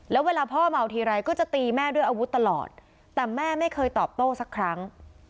แล้วเวลาพ่อเมาทีไรก็จะตีแม่ด้วยอาวุธตลอดแต่แม่ไม่เคยตอบโต้สักครั้ง